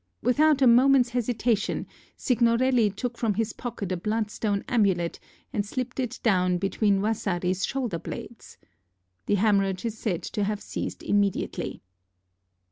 Without a moment's hesitation, Signorelli took from his pocket a bloodstone amulet and slipped it down between Vasari's shoulder blades. The hemorrhage is said to have ceased immediately.